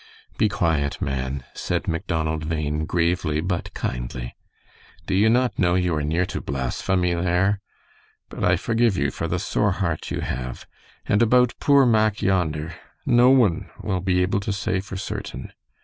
"Be quiet, man," said Macdonald Bhain, gravely, but kindly. "Do you not know you are near to blasphemy there? But I forgive you for the sore heart you have; and about poor Mack yonder, no one will be able to say for certain.